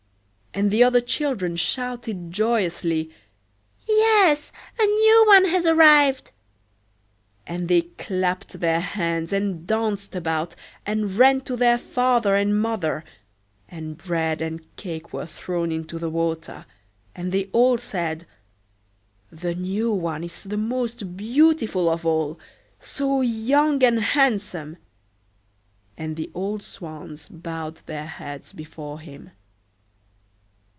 and the other children shouted joyously, "Yes, a new one has arrived!" And they clapped their hands and danced about, and ran to their father and mother; and bread and cake were thrown into the water; and they all said, "The new one is the most beautiful of all! so young and handsome!" and the old swans bowed their heads before him.